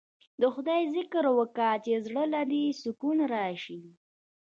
د خداى ذکر وکه چې زړه له دې سکون رايشي.